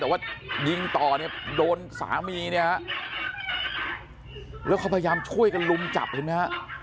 แต่ว่ายิงต่อเนี่ยโดนสามีเนี่ยฮะแล้วเขาพยายามช่วยกันลุมจับเห็นไหมฮะ